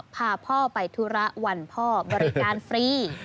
พาพ่อไปธุระวันพ่อบริการฟรี